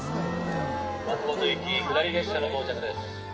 松本行き下り列車の到着です